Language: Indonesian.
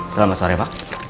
selamat sore pak